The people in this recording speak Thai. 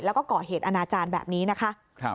แล้วก็ก่อเหตุอนาจารย์แบบนี้นะคะ